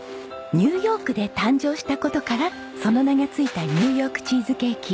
ニューヨークで誕生した事からその名が付いたニューヨークチーズケーキ。